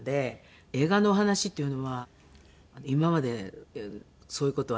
映画のお話っていうのは今までそういう事はなくて。